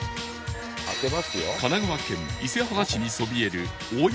神奈川県伊勢原市にそびえる大山の中腹に